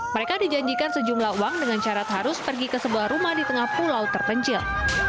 mereka dijanjikan sejumlah uang dengan syarat harus pergi ke sebuah rumah di tengah pulau terpencil